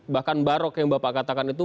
bahkan barok yang bapak katakan itu